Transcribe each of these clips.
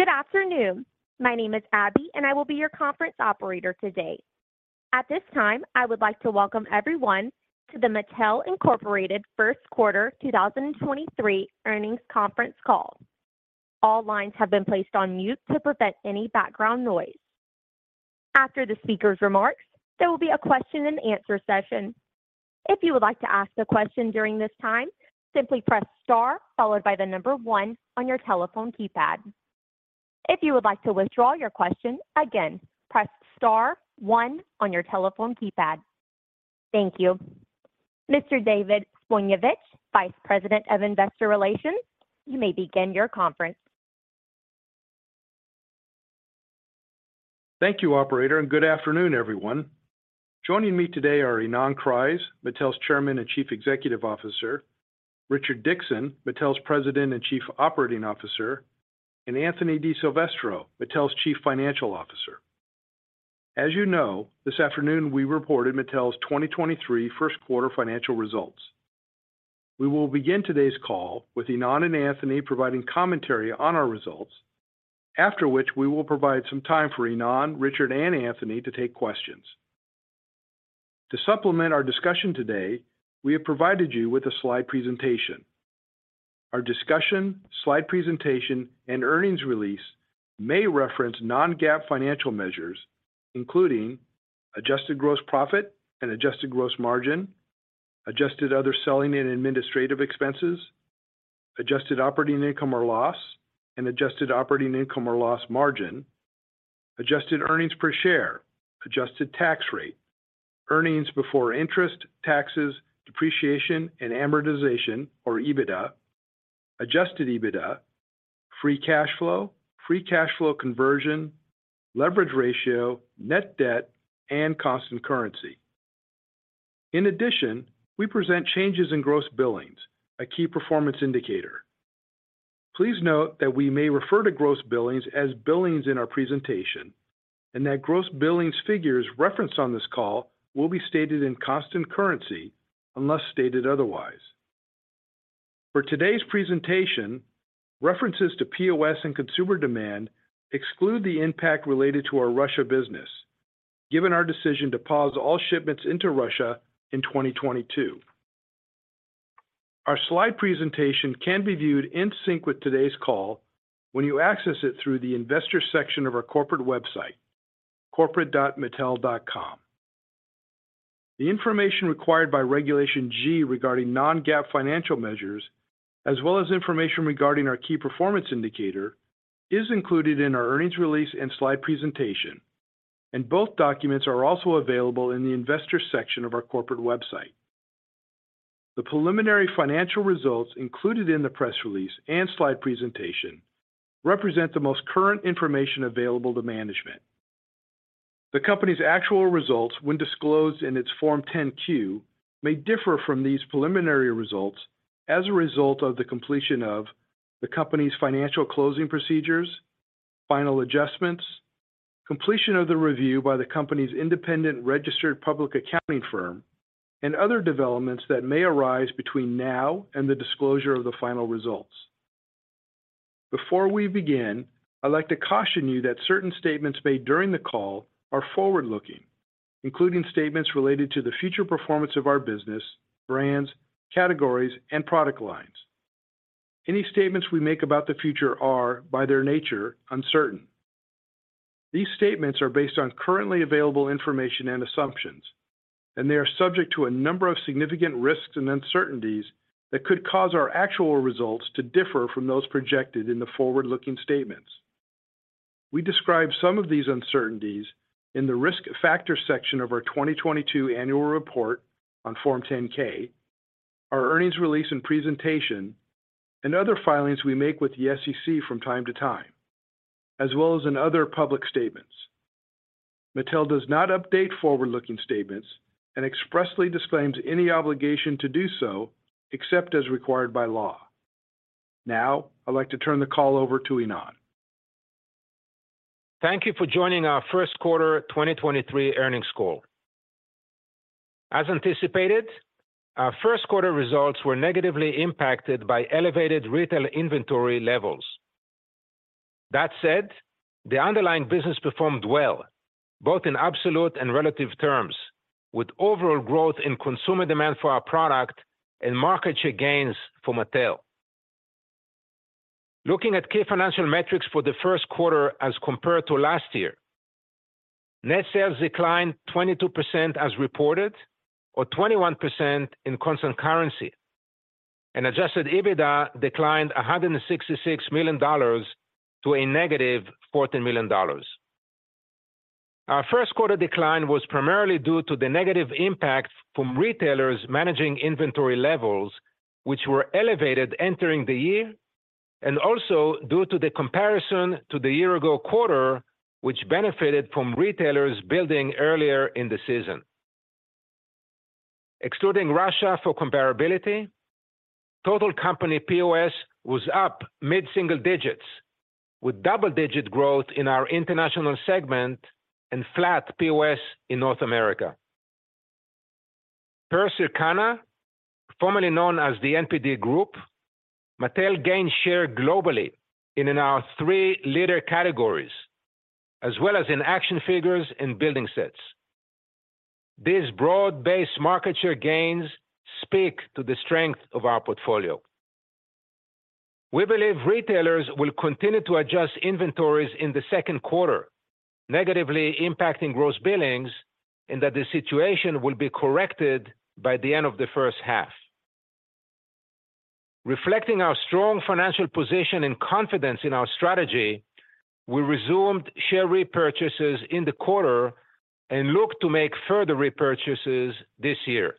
Good afternoon. My name is Abby, and I will be your Conference Operator today. At this time, I would like to welcome everyone to the Mattel, Inc. Q1 2023 Earnings Conference Call. All lines have been placed on mute to prevent any background noise. After the speaker's remarks, there will be a question and answer session. If you would like to ask a question during this time, simply press star followed by the number 1 on your telephone keypad. If you would like to withdraw your question, again, press star 1 on your telephone keypad. Thank you. Mr. David Zbojniewicz, Vice President of Investor Relations, you may begin your conference. Thank you, operator, and good afternoon, everyone. Joining me today are Ynon Kreiz, Mattel's Chairman and Chief Executive Officer, Richard Dickson, Mattel's President and Chief Operating Officer, and Anthony DiSilvestro, Mattel's Chief Financial Officer. As you know, this afternoon we reported Mattel's 2023 Q1 financial results. We will begin today's call with Ynon and Anthony providing commentary on our results. After which we will provide some time for Ynon, Richard, and Anthony to take questions. To supplement our discussion today, we have provided you with a slide presentation. Our discussion, slide presentation, and earnings release may reference non-GAAP financial measures, including Adjusted Gross Profit and Adjusted Gross Margin, adjusted other selling and administrative expenses, Adjusted Operating Income or loss and Adjusted Operating Income or loss margin, Adjusted Earnings Per Share, adjusted tax rate, earnings before interest, taxes, depreciation, and amortization, or EBITDA, Adjusted EBITDA, Free Cash Flow, free cash flow conversion, Leverage Ratio, net debt, and constant currency. In addition, we present changes in Gross Billings, a key performance indicator. Please note that we may refer to Gross Billings as billings in our presentation, and that Gross Billings figures referenced on this call will be stated in constant currency unless stated otherwise. For today's presentation, references to POS and consumer demand exclude the impact related to our Russia business, given our decision to pause all shipments into Russia in 2022. Our slide presentation can be viewed in sync with today's call when you access it through the investor section of our corporate website, corporate.mattel.com. The information required by Regulation G regarding non-GAAP financial measures, as well as information regarding our key performance indicator, is included in our earnings release and slide presentation, and both documents are also available in the investor section of our corporate website. The preliminary financial results included in the press release and slide presentation represent the most current information available to management. The company's actual results, when disclosed in its Form 10-Q, may differ from these preliminary results as a result of the completion of the company's financial closing procedures, final adjustments, completion of the review by the company's independent registered public accounting firm, and other developments that may arise between now and the disclosure of the final results. Before we begin, I'd like to caution you that certain statements made during the call are forward-looking, including statements related to the future performance of our business, brands, categories, and product lines. Any statements we make about the future are, by their nature, uncertain. These statements are based on currently available information and assumptions, and they are subject to a number of significant risks and uncertainties that could cause our actual results to differ from those projected in the forward-looking statements. We describe some of these uncertainties in the Risk Factors section of our 2022 annual report on Form 10-K, our earnings release and presentation, and other filings we make with the SEC from time to time, as well as in other public statements. Mattel does not update forward-looking statements and expressly disclaims any obligation to do so, except as required by law. Now, I'd like to turn the call over to Ynon. Thank you for joining our Q1 2023 earnings call. As anticipated, our Q1 results were negatively impacted by elevated retail inventory levels. That said, the underlying business performed well, both in absolute and relative terms, with overall growth in consumer demand for our product and market share gains for Mattel. Looking at key financial metrics for the Q1 as compared to last year, net sales declined 22% as reported or 21% in constant currency, and Adjusted EBITDA declined $166 million to a negative $14 million. Our Q1 decline was primarily due to the negative impact from retailers managing inventory levels, which were elevated entering the year, and also due to the comparison to the year-ago quarter, which benefited from retailers building earlier in the season. Excluding Russia for comparability, total company POS was up mid-single digits, with double-digit growth in our international segment and flat POS in North America. Per Circana, formerly known as The NPD Group, Mattel gained share globally in our three leader categories, as well as in action figures and building sets. These broad-based market share gains speak to the strength of our portfolio. We believe retailers will continue to adjust inventories in the Q2, negatively impacting gross billings, and that the situation will be corrected by the end of the H1. Reflecting our strong financial position and confidence in our strategy, we resumed share repurchases in the quarter and look to make further repurchases this year.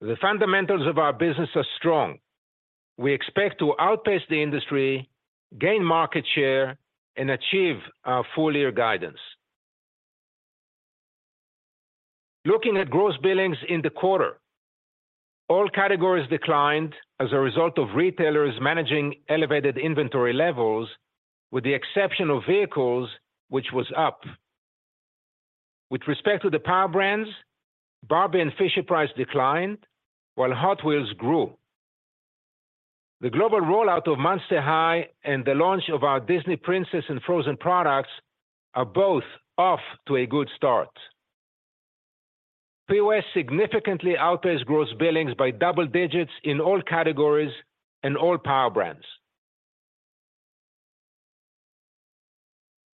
The fundamentals of our business are strong. We expect to outpace the industry, gain market share, and achieve our full year guidance. Looking at gross billings in the quarter, all categories declined as a result of retailers managing elevated inventory levels, with the exception of vehicles, which was up. With respect to the Power Brands, Barbie and Fisher-Price declined while Hot Wheels grew. The global rollout of Monster High and the launch of our Disney Princess and Frozen products are both off to a good start. POS significantly outpaced gross billings by double digits in all categories and all Power Brands.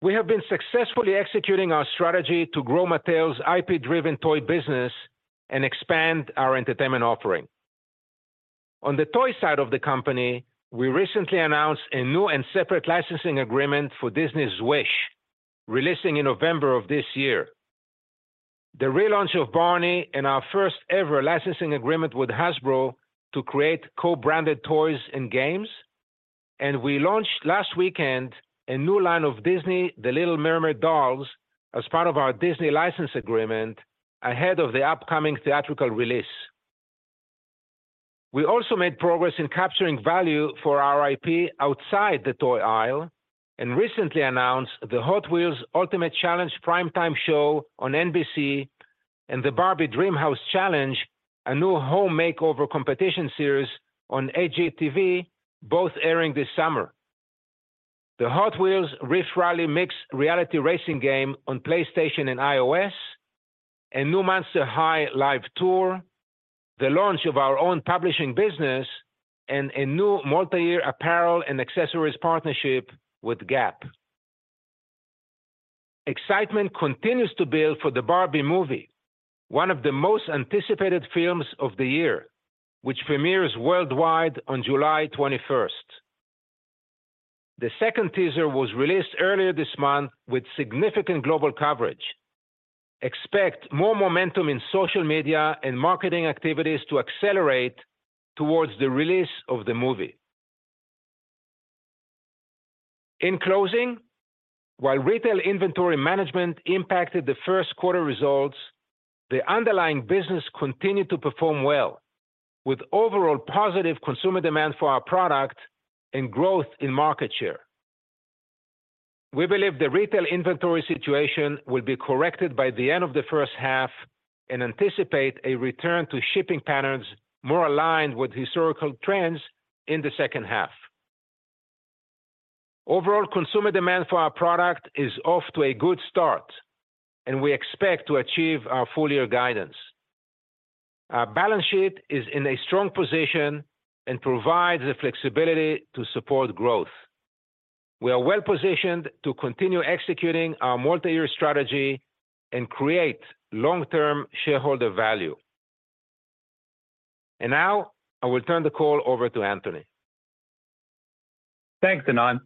We have been successfully executing our strategy to grow Mattel's IP-driven toy business and expand our entertainment offering. On the toy side of the company, we recently announced a new and separate licensing agreement for Disney's Wish, releasing in November of this year, the relaunch of Barney and our first-ever licensing agreement with Hasbro to create co-branded toys and games. We launched last weekend a new line of Disney The Little Mermaid dolls as part of our Disney license agreement ahead of the upcoming theatrical release. We also made progress in capturing value for our IP outside the toy aisle and recently announced the Hot Wheels: Ultimate Challenge primetime show on NBC and the Barbie Dreamhouse Challenge, a new home makeover competition series on HGTV, both airing this summer. The Hot Wheels: Rift Rally mixed reality racing game on PlayStation and iOS, a new Monster High Live tour, the launch of our own publishing business, and a new multiyear apparel and accessories partnership with Gap. Excitement continues to build for the Barbie movie, one of the most anticipated films of the year, which premieres worldwide on July 21st. The second teaser was released earlier this month with significant global coverage. Expect more momentum in social media and marketing activities to accelerate towards the release of the movie. In closing, while retail inventory management impacted the Q1 results, the underlying business continued to perform well with overall positive consumer demand for our product and growth in market share. We believe the retail inventory situation will be corrected by the end of the H1 and anticipate a return to shipping patterns more aligned with historical trends in the H2. Overall consumer demand for our product is off to a good start, and we expect to achieve our full year guidance. Our balance sheet is in a strong position and provides the flexibility to support growth. We are well-positioned to continue executing our multiyear strategy and create long-term shareholder value. Now I will turn the call over to Anthony. Thanks, Ynon.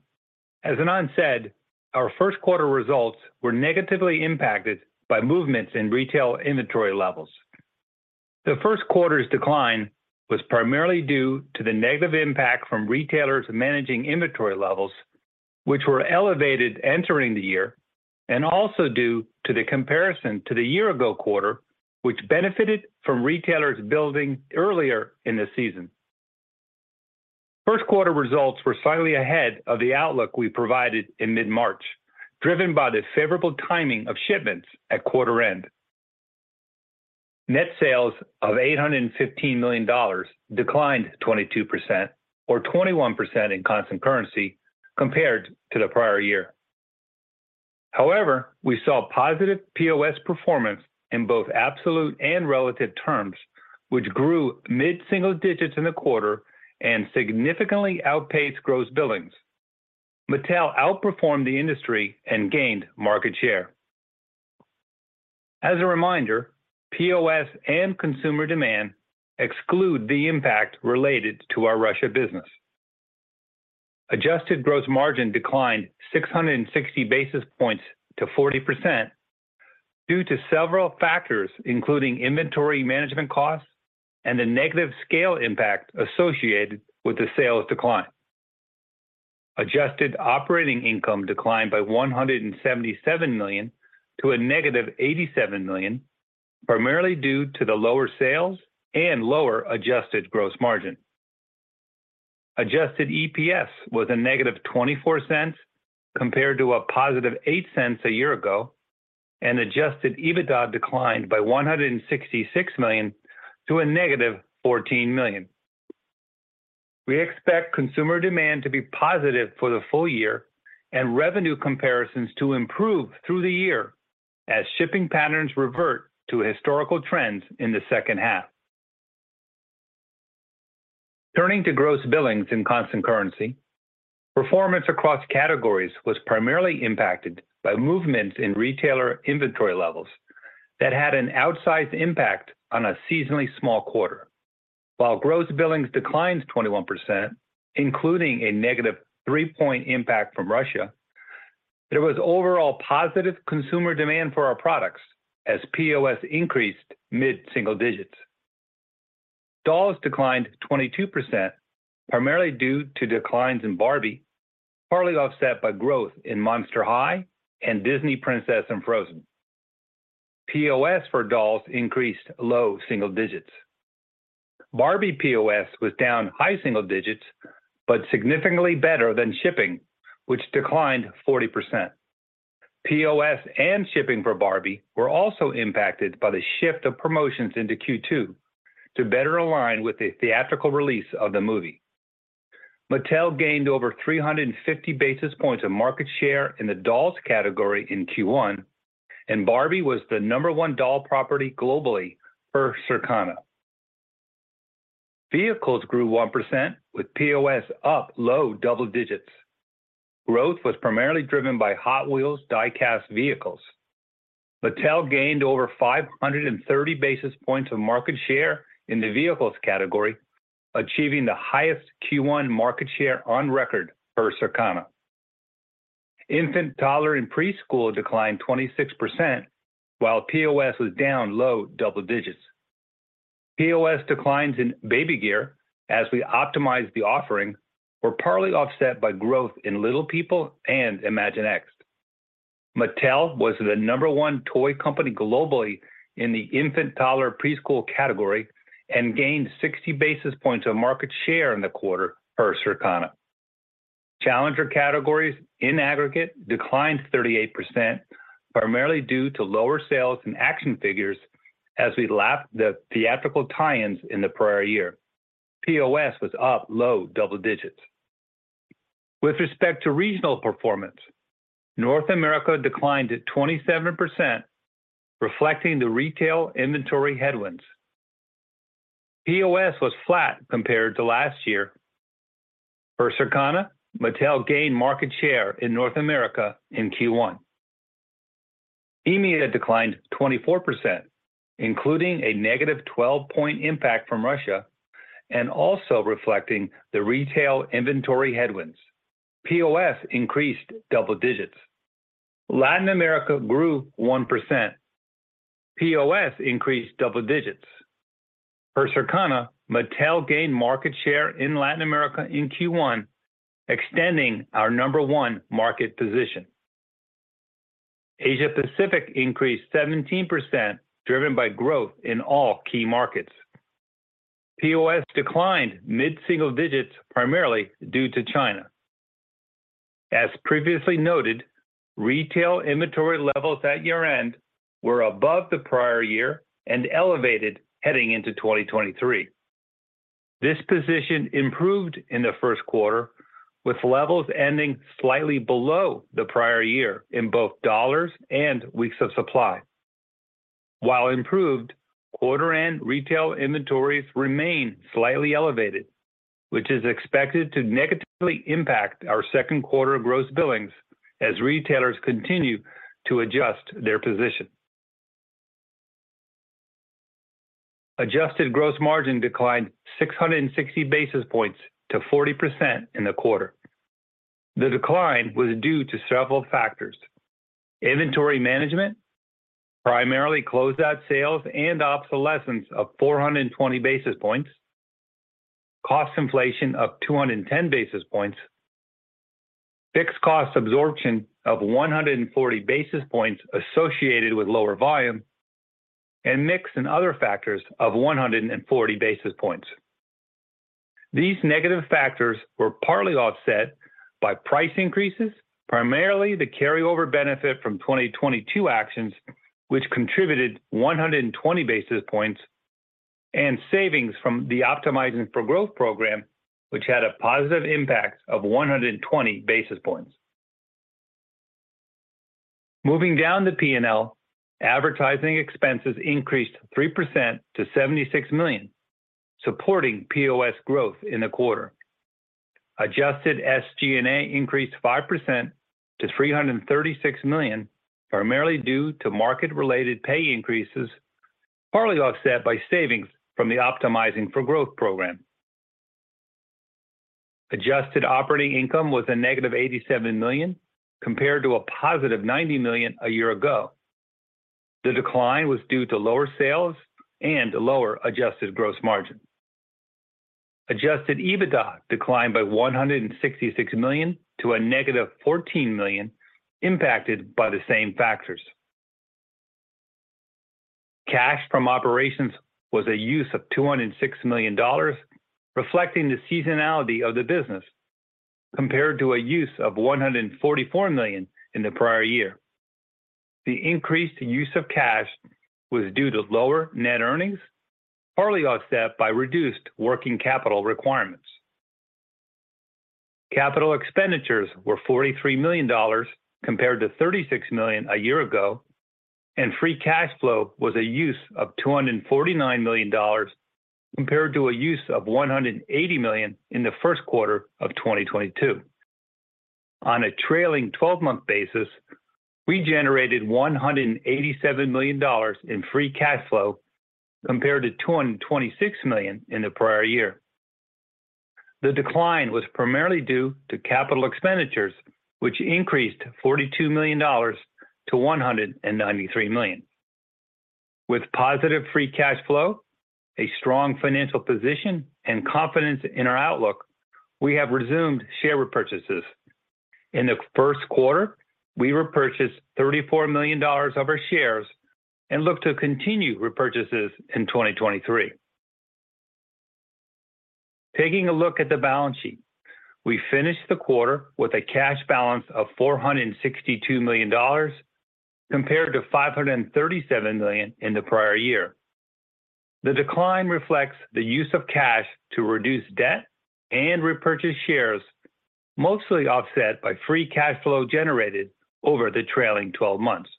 As Ynon said, our Q1 results were negatively impacted by movements in retail inventory levels. The Q1's decline was primarily due to the negative impact from retailers managing inventory levels, which were elevated entering the year and also due to the comparison to the year-ago quarter, which benefited from retailers building earlier in the season. Q1 results were slightly ahead of the outlook we provided in mid-March, driven by the favorable timing of shipments at quarter end. Net sales of $815 million declined 22% or 21% in constant currency compared to the prior year. However, we saw positive POS performance in both absolute and relative terms, which grew mid-single digits in the quarter and significantly outpaced gross billings. Mattel outperformed the industry and gained market share. As a reminder, POS and consumer demand exclude the impact related to our Russia business. Adjusted Gross Margin declined 660 basis points to 40% due to several factors, including inventory management costs and the negative scale impact associated with the sales decline. Adjusted Operating Income declined by $177 million to a negative $87 million, primarily due to the lower sales and lower Adjusted Gross Margin. Adjusted EPS was a negative $0.24 compared to a positive $0.08 a year ago. Adjusted EBITDA declined by $166 million to a negative $14 million. We expect consumer demand to be positive for the full year and revenue comparisons to improve through the year as shipping patterns revert to historical trends in the H2. Turning to gross billings in constant currency, performance across categories was primarily impacted by movements in retailer inventory levels that had an outsized impact on a seasonally small quarter. Gross billings declined 21%, including a negative 3-point impact from Russia, there was overall positive consumer demand for our products as POS increased mid-single digits. Dolls declined 22%, primarily due to declines in Barbie, partly offset by growth in Monster High and Disney Princess and Frozen. POS for dolls increased low single digits. Barbie POS was down high single digits, but significantly better than shipping, which declined 40%. POS and shipping for Barbie were also impacted by the shift of promotions into Q2 to better align with the theatrical release of the movie. Mattel gained over 350 basis points of market share in the dolls category in Q1, and Barbie was the number one doll property globally per Circana. Vehicles grew 1% with POS up low double digits. Growth was primarily driven by Hot Wheels die-cast vehicles. Mattel gained over 530 basis points of market share in the vehicles category, achieving the highest Q1 market share on record per Circana. Infant, toddler, and preschool declined 26%, while POS was down low double digits. POS declines in baby gear as we optimized the offering were partly offset by growth in Little People and Imaginext. Mattel was the number one toy company globally in the infant, toddler, preschool category and gained 60 basis points of market share in the quarter per Circana. Challenger categories in aggregate declined 38%, primarily due to lower sales in action figures as we lapped the theatrical tie-ins in the prior year. POS was up low double digits. With respect to regional performance, North America declined at 27%, reflecting the retail inventory headwinds. POS was flat compared to last year. Per Circana, Mattel gained market share in North America in Q1. EMEA declined 24%, including a negative 12-point impact from Russia and also reflecting the retail inventory headwinds. POS increased double digits. Latin America grew 1%. POS increased double digits. Per Circana, Mattel gained market share in Latin America in Q1, extending our number one market position. Asia-Pacific increased 17%, driven by growth in all key markets. POS declined mid-single digits primarily due to China. As previously noted, retail inventory levels at year-end were above the prior year and elevated heading into 2023. This position improved in the Q1, with levels ending slightly below the prior year in both dollars and weeks of supply. While improved, quarter-end retail inventories remain slightly elevated, which is expected to negatively impact our Q2 Gross Billings as retailers continue to adjust their position. Adjusted Gross Margin declined 660 basis points to 40% in the quarter. The decline was due to several factors. Inventory management primarily closed out sales and obsolescence of 420 basis points, cost inflation of 210 basis points, fixed cost absorption of 140 basis points associated with lower volume, and mix and other factors of 140 basis points. These negative factors were partly offset by price increases, primarily the carryover benefit from 2022 actions, which contributed 120 basis points and savings from the Optimizing for Growth program, which had a positive impact of 120 basis points. Moving down the P&L, advertising expenses increased 3% to $76 million, supporting POS growth in the quarter. Adjusted SG&A increased 5% to $336 million, primarily due to market-related pay increases, partly offset by savings from the Optimizing for Growth program. Adjusted operating income was a negative $87 million compared to a positive $90 million a year ago. The decline was due to lower sales and lower Adjusted Gross Margin. Adjusted EBITDA declined by $166 million to -$14 million impacted by the same factors. Cash from operations was a use of $206 million, reflecting the seasonality of the business compared to a use of $144 million in the prior year. The increased use of cash was due to lower net earnings, partly offset by reduced working capital requirements. Capital expenditures were $43 million compared to $36 million a year ago, and Free Cash Flow was a use of $249 million compared to a use of $180 million in the Q1 of 2022. On a trailing 12 month basis, we generated $187 million in Free Cash Flow compared to $226 million in the prior year. The decline was primarily due to capital expenditures, which increased $42 million to $193 million. With positive Free Cash Flow, a strong financial position and confidence in our outlook, we have resumed share repurchases. In the Q1, we repurchased $34 million of our shares and look to continue repurchases in 2023. Taking a look at the balance sheet. We finished the quarter with a cash balance of $462 million compared to $537 million in the prior year. The decline reflects the use of cash to reduce debt and repurchase shares, mostly offset by Free Cash Flow generated over the trailing 12 months.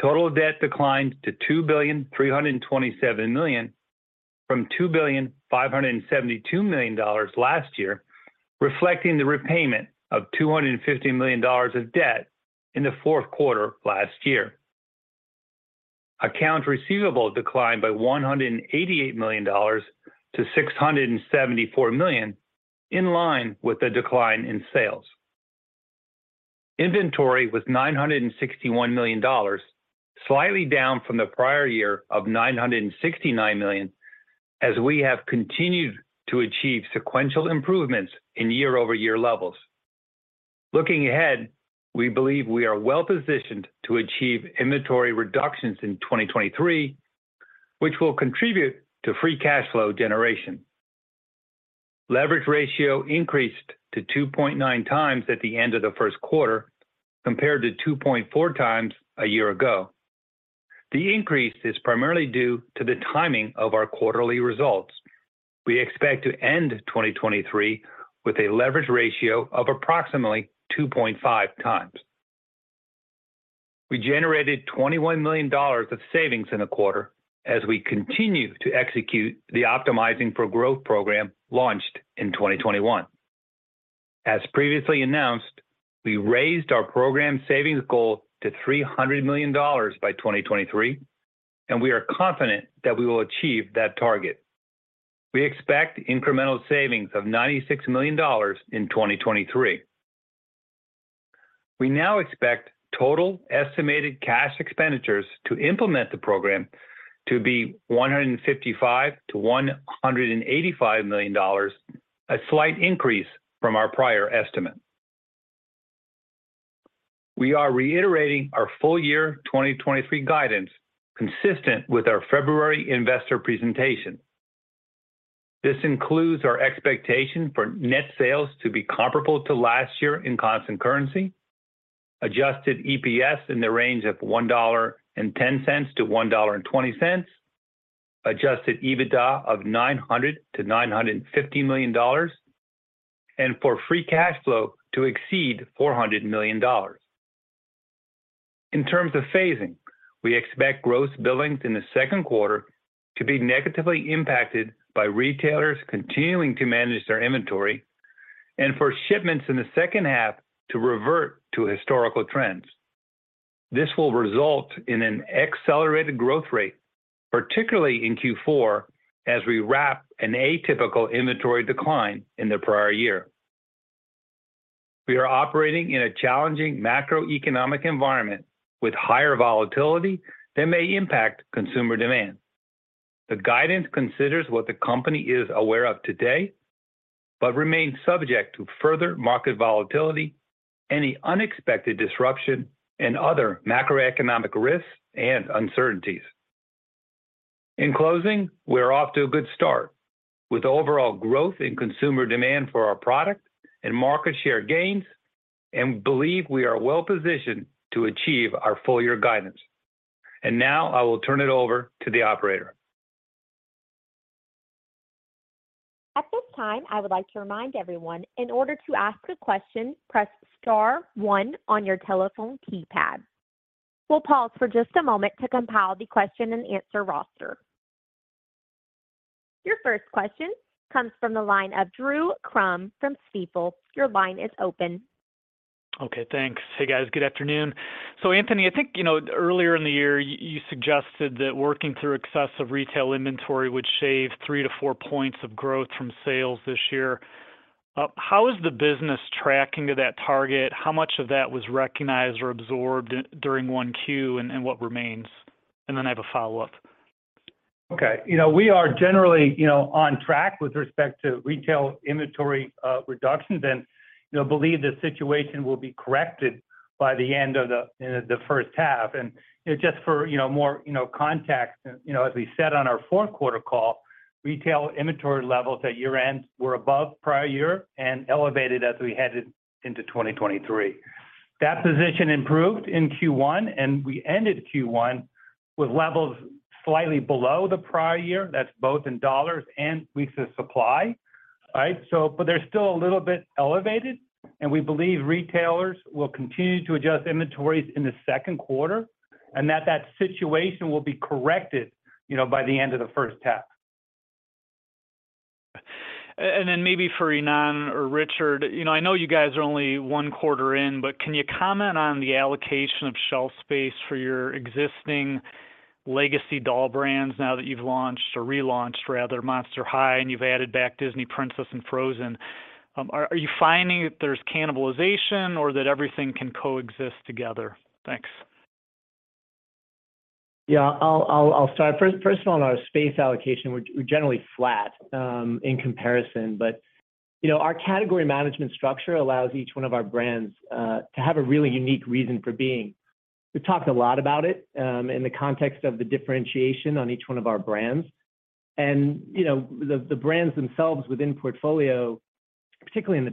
Total debt declined to $2,327 million from $2,572 million last year, reflecting the repayment of $250 million of debt in the Q4 last year. Account receivable declined by $188 million to $674 million, in line with the decline in sales. Inventory was $961 million, slightly down from the prior year of $969 million as we have continued to achieve sequential improvements in year-over-year levels. Looking ahead, we believe we are well positioned to achieve inventory reductions in 2023, which will contribute to Free Cash Flow generation. Leverage Ratio increased to 2.9x at the end of the Q1 compared to 2.4x a year ago. The increase is primarily due to the timing of our quarterly results. We expect to end 2023 with a Leverage Ratio of approximately 2.5 times. We generated $21 million of savings in the quarter as we continue to execute the Optimizing for Growth program launched in 2021. As previously announced, we raised our program savings goal to $300 million by 2023. We are confident that we will achieve that target. We expect incremental savings of $96 million in 2023. We now expect total estimated cash expenditures to implement the program to be $155 million-$185 million, a slight increase from our prior estimate. We are reiterating our full year 2023 guidance consistent with our February investor presentation. This includes our expectation for net sales to be comparable to last year in constant currency, Adjusted EPS in the range of $1.10-$1.20, Adjusted EBITDA of $900 million-$950 million, and for Free Cash Flow to exceed $400 million. In terms of phasing, we expect Gross Billings in the Q2 to be negatively impacted by retailers continuing to manage their inventory and for shipments in the H2 to revert to historical trends. This will result in an accelerated growth rate, particularly in Q4, as we wrap an atypical inventory decline in the prior year. We are operating in a challenging macroeconomic environment with higher volatility that may impact consumer demand. The guidance considers what the company is aware of today, but remains subject to further market volatility, any unexpected disruption, and other macroeconomic risks and uncertainties. In closing, we're off to a good start with overall growth in consumer demand for our product and market share gains, and believe we are well positioned to achieve our full year guidance. Now I will turn it over to the operator. At this time, I would like to remind everyone, in order to ask a question, press star one on your telephone keypad. We'll pause for just a moment to compile the question and answer roster. Your first question comes from the line of Drew Crum from Stifel. Your line is open. Okay, thanks. Hey, guys. Good afternoon. Anthony, I think, you know, earlier in the year you suggested that working through excessive retail inventory would shave 3 to 4 points of growth from sales this year. How is the business tracking to that target? How much of that was recognized or absorbed during 1Q and what remains? I have a follow-up. Okay. You know, we are generally, you know, on track with respect to retail inventory reductions and, you know, believe the situation will be corrected by the end of the H1. Just for, you know, more, you know, context, you know, as we said on our Q4 call, retail inventory levels at year-end were above prior year and elevated as we headed into 2023. That position improved in Q1, and we ended Q1 with levels slightly below the prior year. That's both in dollars and weeks of supply. Right? They're still a little bit elevated, and we believe retailers will continue to adjust inventories in the Q2, and that situation will be corrected, you know, by the end of the H1. Maybe for Ynon or Richard. You know, I know you guys are only 1 quarter in, but can you comment on the allocation of shelf space for your existing legacy doll brands now that you've launched or relaunched rather Monster High, and you've added back Disney Princess and Frozen. Are you finding that there's cannibalization or that everything can coexist together? Thanks. Yeah, I'll start. First of all, on our space allocation, we're generally flat in comparison. You know, our category management structure allows each one of our brands to have a really unique reason for being. We've talked a lot about it in the context of the differentiation on each one of our brands. You know, the brands themselves within portfolio, particularly in the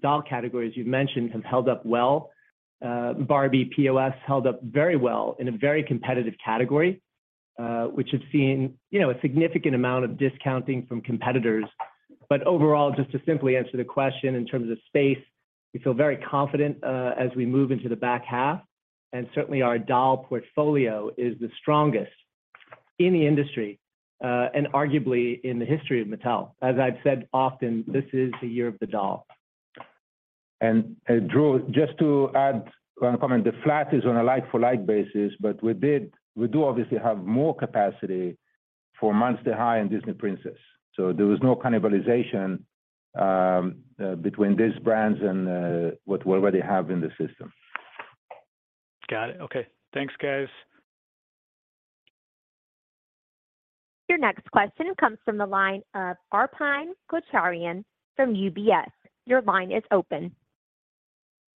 doll category, as you've mentioned, have held up well. Barbie POS held up very well in a very competitive category, which has seen, you know, a significant amount of discounting from competitors. Overall, just to simply answer the question in terms of space, we feel very confident as we move into the back half. Certainly, our doll portfolio is the strongest in the industry, and arguably in the history of Mattel. As I've said often, this is the year of the doll. Drew, just to add one comment. The flat is on a like-for-like basis, but we do obviously have more capacity for Monster High and Disney Princess, so there was no cannibalization between these brands and what we already have in the system. Got it. Okay. Thanks, guys. Your next question comes from the line of Arpine Kocharyan from UBS. Your line is open.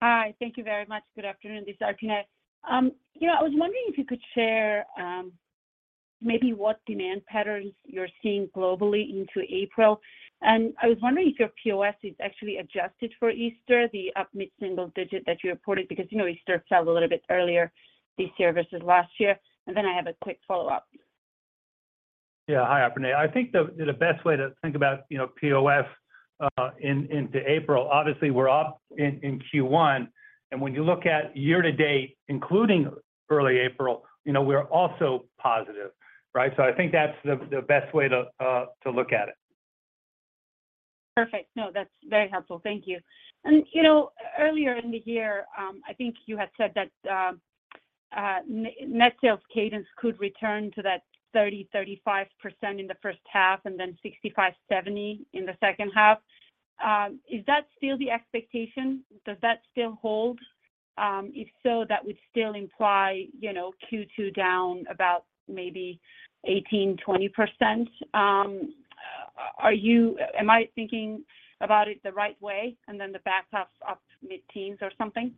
Hi. Thank you very much. Good afternoon. This is Arpine. you know, I was wondering if you could share, maybe what demand patterns you're seeing globally into April. I was wondering if your POS is actually adjusted for Easter, the up mid-single digit that you reported, because, you know, Easter fell a little bit earlier this year versus last year. Then I have a quick follow-up. Yeah. Hi, Arpine. I think the best way to think about, you know, POS, into April, obviously, we're up in Q1. When you look at year to date, including early April, you know, we're also positive, right? I think that's the best way to look at it. Perfect. No, that's very helpful. Thank you. You know, earlier in the year, I think you had said that net sales cadence could return to that 30%-35% in the H1 and then 65%-70% in the H2. Is that still the expectation? Does that still hold? If so, that would still imply, you know, Q2 down about maybe 18%-20%. Am I thinking about it the right way and then the back half's up mid-teens or something?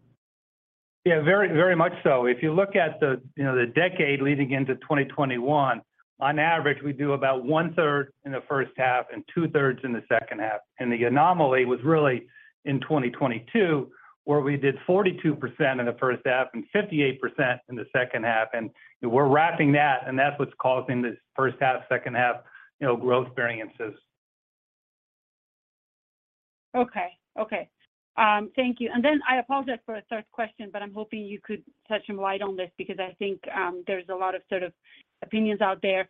Yeah. Very, very much so. If you look at the, you know, the decade leading into 2021, on average, we do about one-third in the H1 and two-thirds in the H2. The anomaly was really in 2022, where we did 42% in the H1 and 58% in the H2. We're wrapping that, and that's what's causing this H1, H2, you know, growth variances. Okay. Okay. Thank you. I apologize for a third question, but I'm hoping you could shed some light on this because I think there's a lot of sort of opinions out there.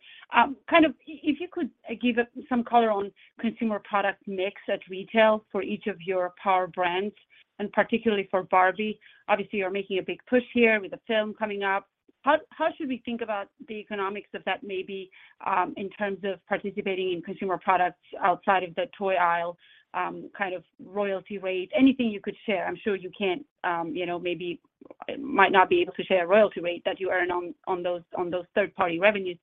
Kind of if you could give us some color on consumer product mix at retail for each of your Power Brands, and particularly for Barbie. Obviously, you're making a big push here with the film coming up. How should we think about the economics of that maybe, in terms of participating in consumer products outside of the toy aisle, kind of royalty rate? Anything you could share. I'm sure you can't, you know, maybe might not be able to share a royalty rate that you earn on those third-party revenues.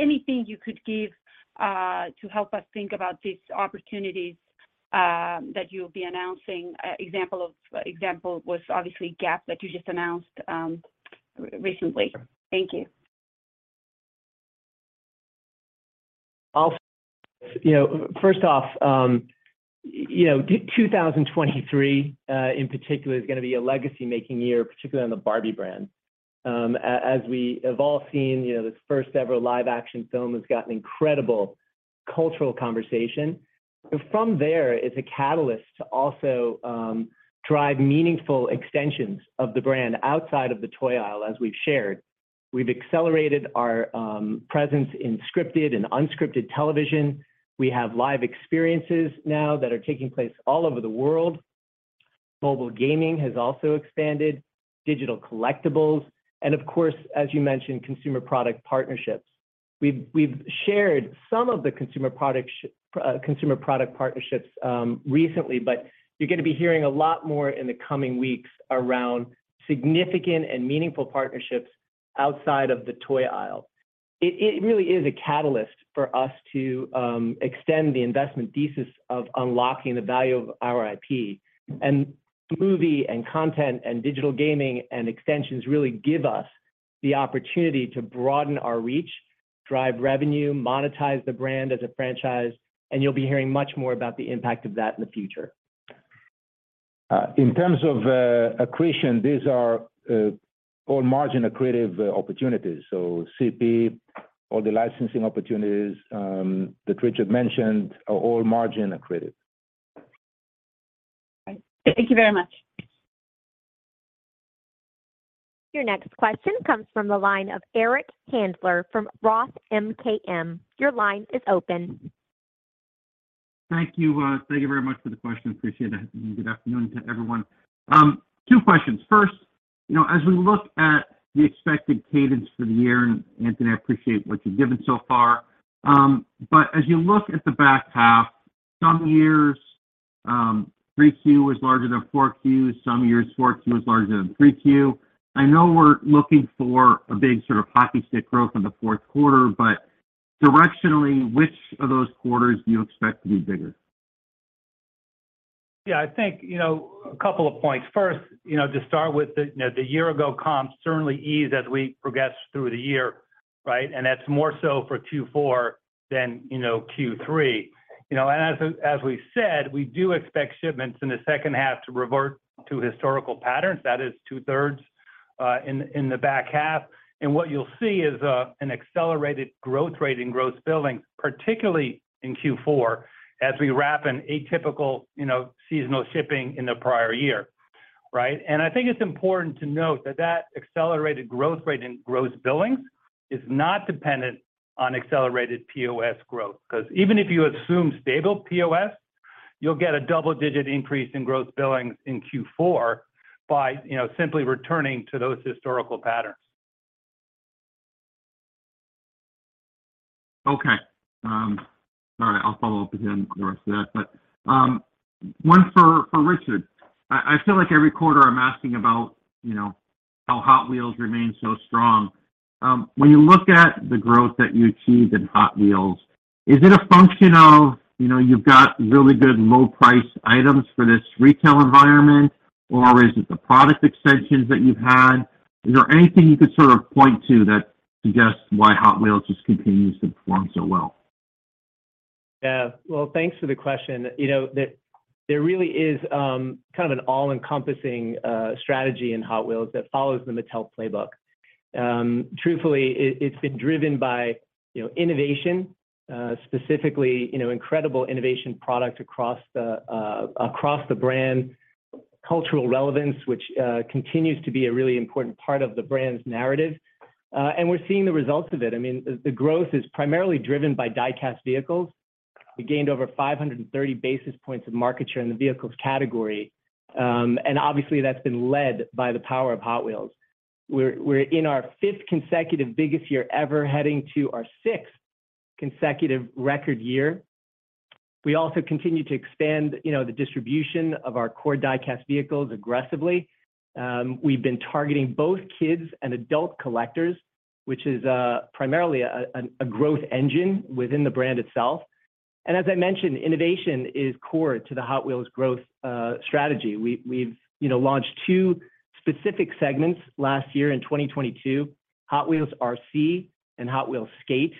Anything you could give to help us think about these opportunities that you'll be announcing. Example was obviously Gap that you just announced recently. Sure. Thank you. You know, first off, you know, 2023 in particular is gonna be a legacy-making year, particularly on the Barbie brand. As we have all seen, you know, this first-ever live action film has got an incredible cultural conversation. From there, it's a catalyst to also drive meaningful extensions of the brand outside of the toy aisle, as we've shared. We've accelerated our presence in scripted and unscripted television. We have live experiences now that are taking place all over the world. Mobile gaming has also expanded, digital collectibles and of course, as you mentioned, consumer product partnerships. We've shared some of the consumer product partnerships recently, but you're gonna be hearing a lot more in the coming weeks around significant and meaningful partnerships outside of the toy aisle. It really is a catalyst for us to extend the investment thesis of unlocking the value of our IP. Movie and content and digital gaming and extensions really give us the opportunity to broaden our reach, drive revenue, monetize the brand as a franchise, and you'll be hearing much more about the impact of that in the future. In terms of accretion, these are all margin accretive opportunities. CP or the licensing opportunities, that Richard mentioned are all margin accretive. Thank you very much. Your next question comes from the line of Eric Handler from ROTH MKM. Your line is open. Thank you. Thank you very much for the question. Appreciate it. Good afternoon to everyone. Two questions. First, you know, as we look at the expected cadence for the year, and Anthony, I appreciate what you've given so far. As you look at the back half, some years, 3Q was larger than 4Q, some years 4Q was larger than 3Q. I know we're looking for a big sort of hockey stick growth in the Q4, but directionally, which of those quarters do you expect to be bigger? Yeah, I think, you know, a couple of points. First, you know, to start with the, you know, the year-ago comp certainly eased as we progressed through the year, right? That's more so for Q4 than, you know, Q3. You know, as we said, we do expect shipments in the H2 to revert to historical patterns. That is two-thirds in the back half. What you'll see is an accelerated growth rate in Gross Billings, particularly in Q4 as we wrap an atypical, you know, seasonal shipping in the prior year, right? I think it's important to note that that accelerated growth rate in Gross Billings is not dependent on accelerated POS growth. 'Cause even if you assume stable POS, you'll get a double-digit increase in Gross Billings in Q4 by, you know, simply returning to those historical patterns. Okay. All right, I'll follow up again with the rest of that. One for Richard. I feel like every quarter I'm asking about, you know, how Hot Wheels remains so strong. When you look at the growth that you achieved in Hot Wheels, is it a function of, you know, you've got really good low price items for this retail environment, or is it the product extensions that you've had? Is there anything you could sort of point to that suggests why Hot Wheels just continues to perform so well? Yeah. Well, thanks for the question. You know, there really is kind of an all-encompassing strategy in Hot Wheels that follows the Mattel playbook. Truthfully, it's been driven by, you know, innovation, specifically, you know, incredible innovation product across the brand, cultural relevance, which continues to be a really important part of the brand's narrative. We're seeing the results of it. I mean, the growth is primarily driven by die-cast vehicles. We gained over 530 basis points of market share in the vehicles category. Obviously, that's been led by the power of Hot Wheels. We're in our 5th consecutive biggest year ever, heading to our 6th consecutive record year. We also continue to expand, you know, the distribution of our core die-cast vehicles aggressively. We've been targeting both kids and adult collectors, which is primarily a growth engine within the brand itself. As I mentioned, innovation is core to the Hot Wheels growth strategy. We've, you know, launched 2 specific segments last year in 2022, Hot Wheels RC and Hot Wheels Skate.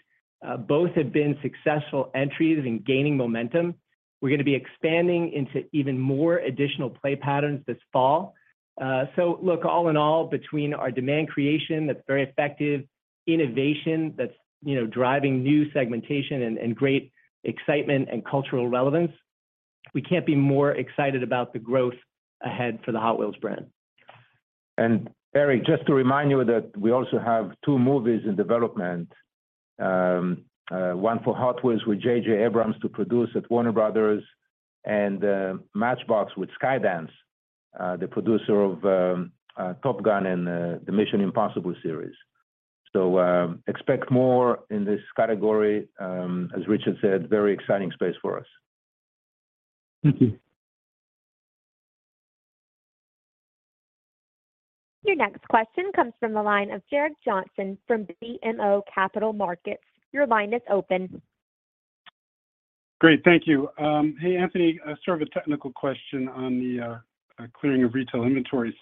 Both have been successful entries in gaining momentum. We're gonna be expanding into even more additional play patterns this fall. Look, all in all, between our demand creation that's very effective, innovation that's, you know, driving new segmentation and great excitement and cultural relevance, we can't be more excited about the growth ahead for the Hot Wheels brand. Eric, just to remind you that we also have two movies in development, one for Hot Wheels with J.J. Abrams to produce at Warner Brothers and Matchbox with Skydance, the producer of Top Gun and the Mission: Impossible series. Expect more in this category, as Richard said, very exciting space for us. Thank you. Your next question comes from the line of Gerrick Johnson from BMO Capital Markets. Your line is open. Great. Thank you. Hey, Anthony, sort of a technical question on the clearing of retail inventories.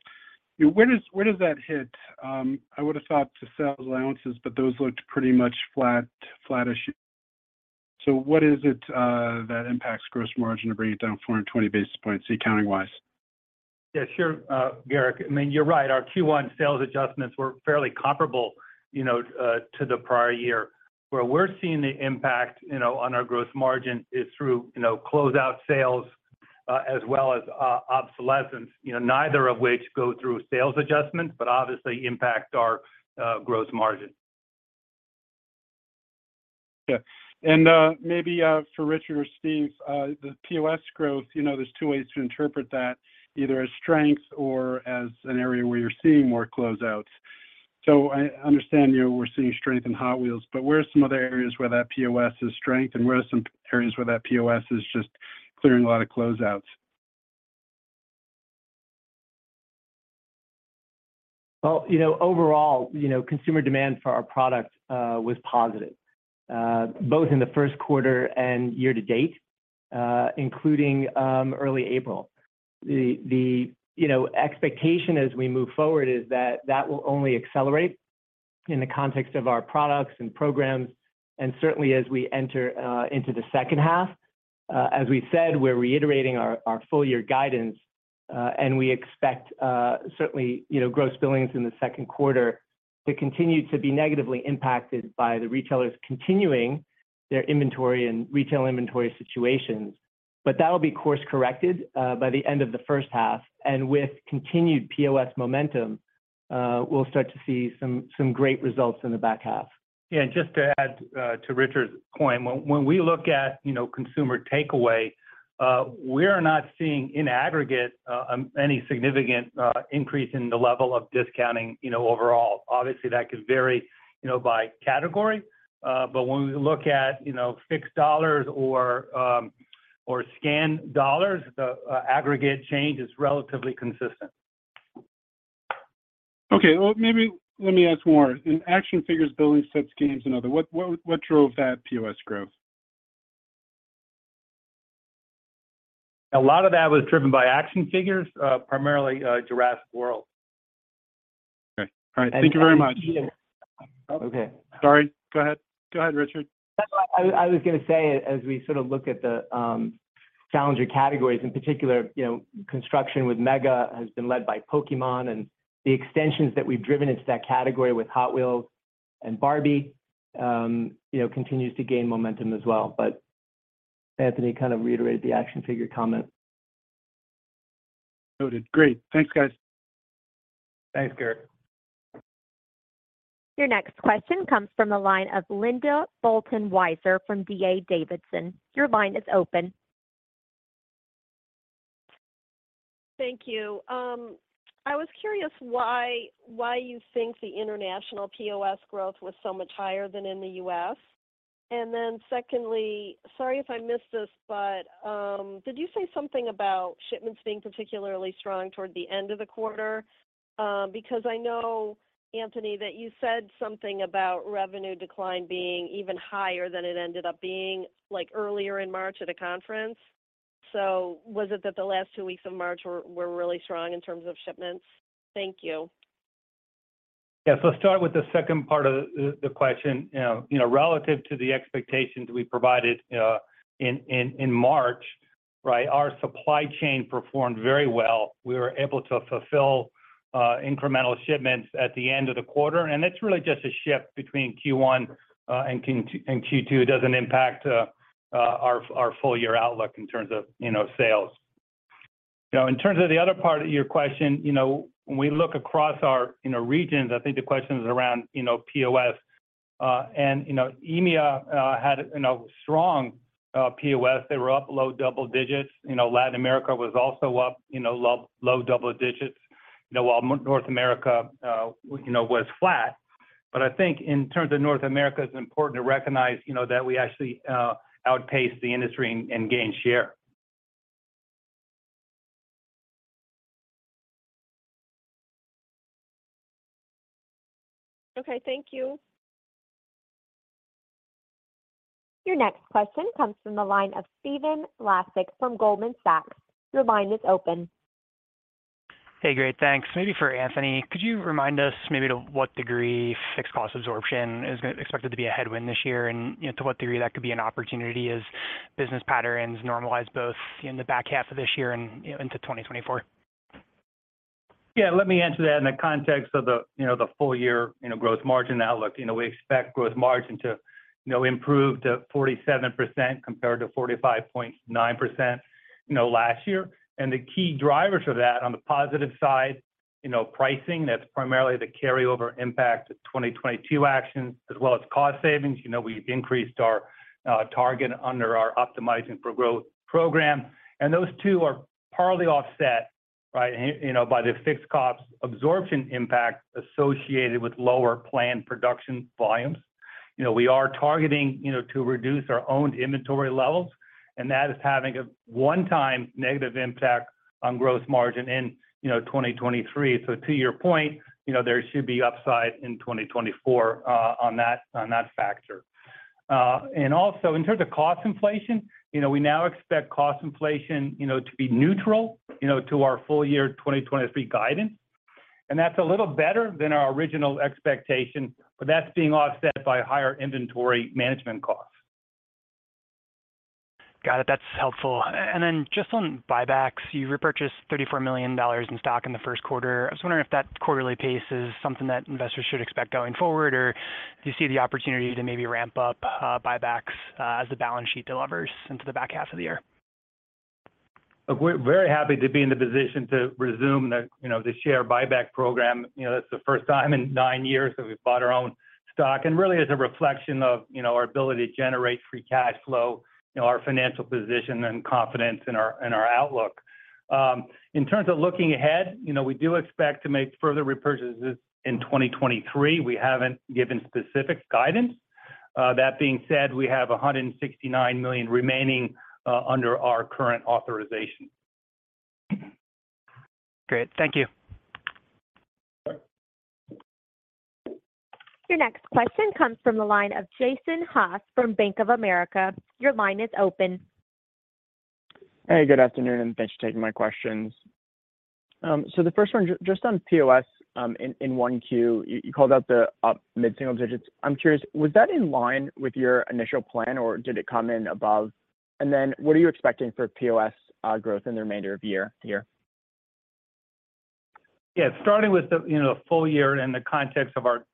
Where does that hit? I would have thought the sales allowances, but those looked pretty much flat, flattish. What is it that impacts Gross Margin to bring it down 420 basis points accounting-wise? Yeah, sure, Gerrick. I mean, you're right. Our Q1 sales adjustments were fairly comparable, you know, to the prior year. Where we're seeing the impact, you know, on our gross margin is through, you know, closeout sales, as well as, obsolescence. You know, neither of which go through sales adjustments, but obviously impact our gross margin. Yeah. Maybe for Richard or Steve, the POS growth, you know, there's 2 ways to interpret that, either as strength or as an area where you're seeing more closeouts. I understand, you know, we're seeing strength in Hot Wheels, but where are some other areas where that POS is strength, and where are some areas where that POS is just clearing a lot of closeouts? Well, you know, overall, you know, consumer demand for our products was positive, both in the Q1 and year to date, including early April. The, you know, expectation as we move forward is that that will only accelerate in the context of our products and programs and certainly as we enter into the H2. As we said, we're reiterating our full year guidance, and we expect, certainly, you know, Gross Billings in the Q2 to continue to be negatively impacted by the retailers continuing their inventory and retail inventory situations. That will be course-corrected by the end of the H1. With continued POS momentum, we'll start to see some great results in the back half. Yeah. Just to add to Richard's point, when we look at, you know, consumer takeaway, we're not seeing in aggregate any significant increase in the level of discounting, you know, overall. Obviously, that could vary, you know, by category. When we look at, you know, fixed dollars or scanned dollars, the aggregate change is relatively consistent. Okay. Well, maybe let me ask more. In action figures, building sets, games and other, what drove that POS growth? A lot of that was driven by action figures, primarily, Jurassic World. Okay. All right. Thank you very much. Okay. Sorry. Go ahead. Go ahead, Richard. That's what I was gonna say as we sort of look at the, challenger categories, in particular, you know, construction with MEGA has been led by Pokémon and the extensions that we've driven into that category with Hot Wheels and Barbie, continues to gain momentum as well. Anthony kind of reiterated the action figure comment. Noted. Great. Thanks, guys. Thanks, Garrett. Your next question comes from the line of Linda Bolton Weiser from D.A. Davidson. Your line is open. Thank you. I was curious why you think the international POS growth was so much higher than in the US. Secondly, sorry if I missed this, but did you say something about shipments being particularly strong toward the end of the quarter? Because I know, Anthony, that you said something about revenue decline being even higher than it ended up being like earlier in March at a conference. Was it that the last two weeks of March were really strong in terms of shipments? Thank you. Yeah. Start with the second part of the question. You know, relative to the expectations we provided in March, right? Our supply chain performed very well. We were able to fulfill incremental shipments at the end of the quarter, it's really just a shift between Q1 and Q2. It doesn't impact our full year outlook in terms of, you know, sales. You know, in terms of the other part of your question, you know, when we look across our, you know, regions, I think the question is around, you know, POS, and, you know, EMEA had, you know, strong POS. They were up low double digits. You know, Latin America was also up, you know, low double digits. You know, while North America, you know, was flat. I think in terms of North America, it's important to recognize, you know, that we actually outpaced the industry and gained share. Okay. Thank you. Your next question comes from the line of Stephen Laszczyk from Goldman Sachs. Your line is open. Hey. Great. Thanks. Maybe for Anthony. Could you remind us maybe to what degree fixed cost absorption is expected to be a headwind this year and, you know, to what degree that could be an opportunity as business patterns normalize both in the back half of this year and, you know, into 2024? Yeah. Let me answer that in the context of the, you know, the full year, you know, Gross Margin outlook. You know, we expect Gross Margin to, you know, improve to 47% compared to 45.9%, you know, last year. The key drivers of that on the positive side, you know, pricing, that's primarily the carryover impact of 2022 actions as well as cost savings. We increased our target under our Optimizing for Growth program, those two are partly offset, right, you know, by the fixed cost absorption impact associated with lower planned production volumes. You know, we are targeting, you know, to reduce our own inventory levels, and that is having a one-time negative impact on Gross Margin in, you know, 2023. To your point, you know, there should be upside in 2024 on that, on that factor. Also in terms of cost inflation, you know, we now expect cost inflation, you know, to be neutral, you know, to our full year 2023 guidance, and that's a little better than our original expectation. That's being offset by higher inventory management costs. Got it. That's helpful. Then just on buybacks, you repurchased $34 million in stock in the Q1. I was wondering if that quarterly pace is something that investors should expect going forward, or do you see the opportunity to maybe ramp up buybacks as the balance sheet delivers into the back half of the year? Look, we're very happy to be in the position to resume the, you know, the share buyback program. You know, that's the first time in 9 years that we've bought our own stock and really is a reflection of, you know, our ability to generate free cash flow, you know, our financial position and confidence in our, in our outlook. In terms of looking ahead, you know, we do expect to make further repurchases in 2023. We haven't given specific guidance That being said, we have $169 million remaining under our current authorization. Great. Thank you. Your next question comes from the line of Jason Haas from Bank of America. Your line is open. Hey, good afternoon, and thanks for taking my questions. The first one just on POS in 1Q, you called out the up mid-single digits. I'm curious, was that in line with your initial plan or did it come in above? What are you expecting for POS growth in the remainder of year here? Yeah. Starting with the, you know, full year in the context of our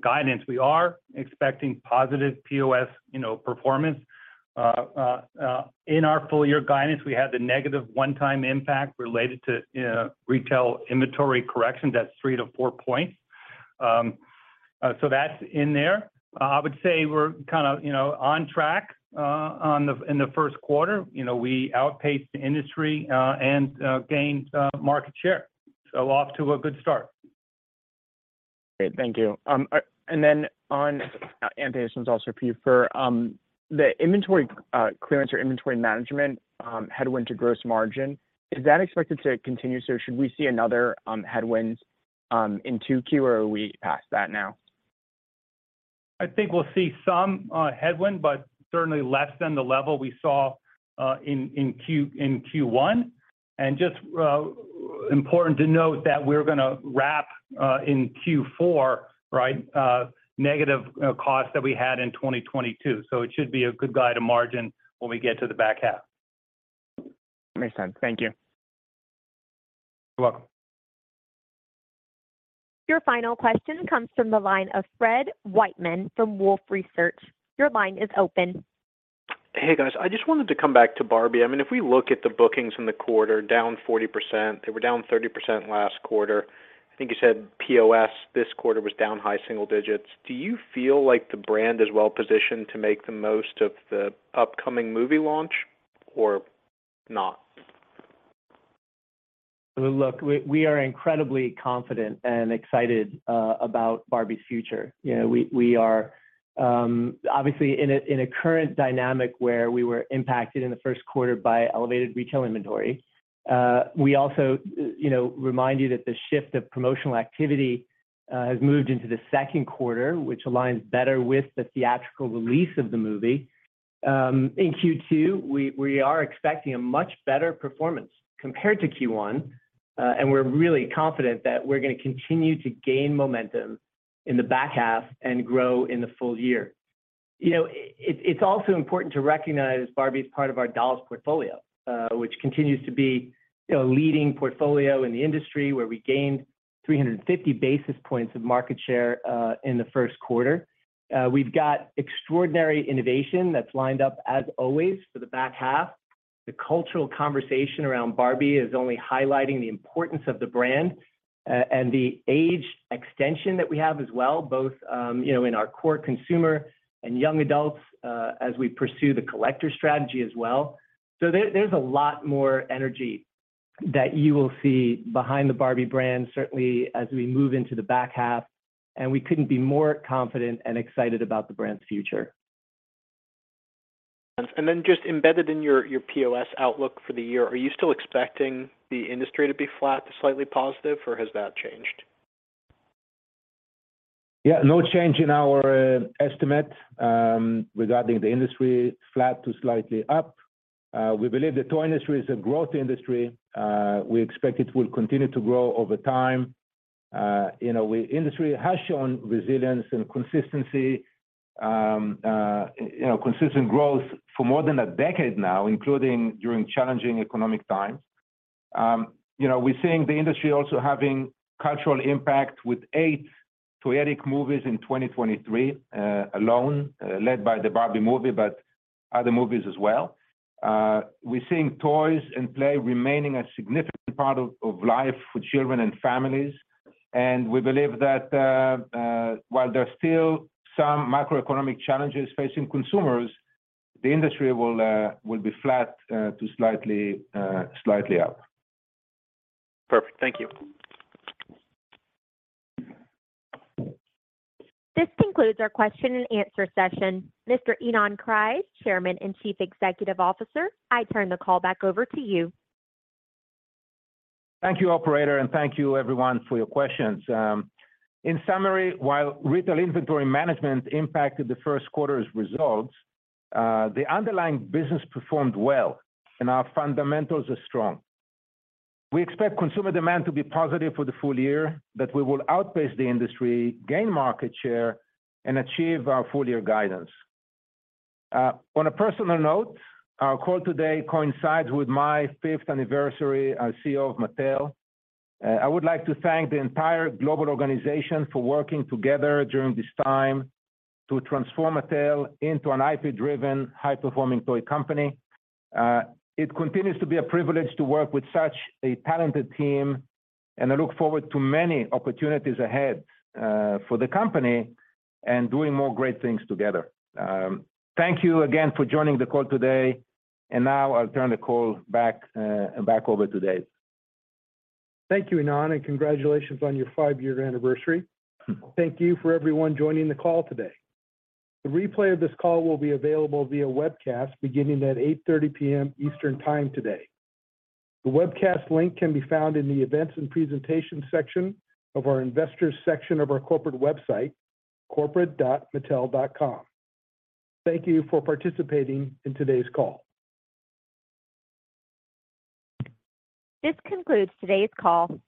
guidance, we are expecting positive POS, you know, performance. In our full year guidance we had the negative one-time impact related to retail inventory corrections. That's 3-4 points. That's in there. I would say we're kinda, you know, on track in the Q1. You know, we outpaced the industry, and gained market share. Off to a good start. Great. Thank you. This one's also for you, for the inventory clearance or inventory management headwind to gross margin, is that expected to continue? Should we see another headwind in 2Q or are we past that now? I think we'll see some headwind, but certainly less than the level we saw in Q1. Just important to note that we're gonna wrap in Q4, right, negative costs that we had in 2022. It should be a good guide to margin when we get to the back half. Makes sense. Thank you. You're welcome. Your final question comes from the line of Fred Wightman from Wolfe Research. Your line is open. Hey, guys. I just wanted to come back to Barbie. I mean, if we look at the bookings in the quarter, down 40%, they were down 30% last quarter. I think you said POS this quarter was down high single digits. Do you feel like the brand is well positioned to make the most of the upcoming movie launch or not? Look, we are incredibly confident and excited about Barbie's future. You know, we are obviously in a current dynamic where we were impacted in the Q1 by elevated retail inventory. We also, you know, remind you that the shift of promotional activity has moved into the Q2, which aligns better with the theatrical release of the movie. In Q2, we are expecting a much better performance compared to Q1, and we're really confident that we're gonna continue to gain momentum in the back half and grow in the full year. You know, it's also important to recognize Barbie's part of our dolls portfolio, which continues to be, you know, leading portfolio in the industry where we gained 350 basis points of market share in the Q1. We've got extraordinary innovation that's lined up as always for the back half. The cultural conversation around Barbie is only highlighting the importance of the brand, and the age extension that we have as well, both, you know, in our core consumer and young adults, as we pursue the collector strategy as well. There, there's a lot more energy that you will see behind the Barbie brand, certainly as we move into the back half. We couldn't be more confident and excited about the brand's future. Just embedded in your POS outlook for the year, are you still expecting the industry to be flat to slightly positive or has that changed? Yeah, no change in our estimate, regarding the industry flat to slightly up. We believe the toy industry is a growth industry. We expect it will continue to grow over time. You know, industry has shown resilience and consistency, you know, consistent growth for more than a decade now, including during challenging economic times. You know, we're seeing the industry also having cultural impact with eight toyetic movies in 2023 alone, led by the Barbie movie, but other movies as well. We're seeing toys and play remaining a significant part of life for children and families. We believe that, while there's still some macroeconomic challenges facing consumers, the industry will be flat to slightly up. Perfect. Thank you. This concludes our question and answer session. Mr. Ynon Kreiz, Chairman and Chief Executive Officer, I turn the call back over to you. Thank you, operator, and thank you everyone for your questions. In summary, while retail inventory management impacted the Q1's results, the underlying business performed well and our fundamentals are strong. We expect consumer demand to be positive for the full year, that we will outpace the industry, gain market share, and achieve our full year guidance. On a personal note, our call today coincides with my fifth anniversary as CEO of Mattel. I would like to thank the entire global organization for working together during this time to transform Mattel into an IP driven, high performing toy company. It continues to be a privilege to work with such a talented team, and I look forward to many opportunities ahead, for the company and doing more great things together. Thank you again for joining the call today, now I'll turn the call back over to Dave. Thank you, Ynon, and congratulations on your 5 year anniversary. Thank you for everyone joining the call today. The replay of this call will be available via webcast beginning at 8:30 P.M. Eastern Time today. The webcast link can be found in the Events and Presentation section of our Investors section of our corporate website, corporate.mattel.com. Thank you for participating in today's call. This concludes today's call.